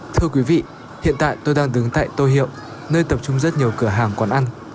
thưa quý vị hiện tại tôi đang đứng tại tô hiệu nơi tập trung rất nhiều cửa hàng quán ăn